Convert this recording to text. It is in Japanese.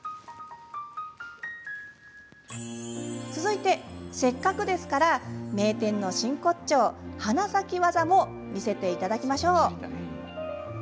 続いて、せっかくですから名店の真骨頂花咲き技も見せていただきましょう。